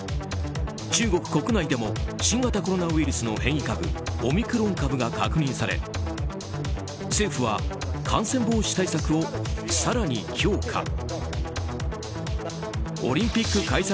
中国国内でも新型コロナウイルスの変異株オミクロン株が確認され政府は感染防止対策を更に強化。